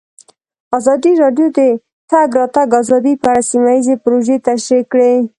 ازادي راډیو د د تګ راتګ ازادي په اړه سیمه ییزې پروژې تشریح کړې.